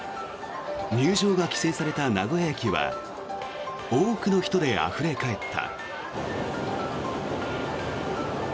入場が規制された名古屋駅は多くの人であふれ返った。